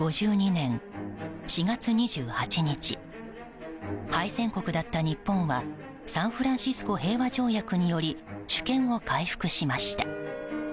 １９５２年４月２８日敗戦国だった日本はサンフランシスコ平和条約により主権を回復しました。